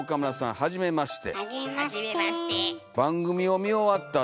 はじめまして。